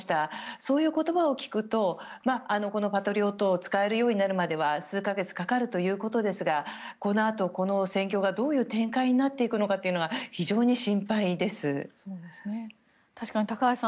そういう言葉を聞くとパトリオットを使えるようになるまでは数か月かかるということですがこのあとこの戦況がどういう展開になっていくのかは確かに、高橋さん